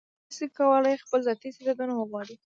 هغه نشي کولای خپل ذاتي استعدادونه وغوړوي.